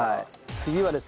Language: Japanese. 次はですね